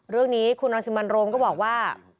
เรื่องนี้คุณรังสิมันโรมก็บอกว่า